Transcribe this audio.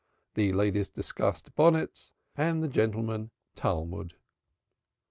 The ladies discussed bonnets and the gentlemen Talmud.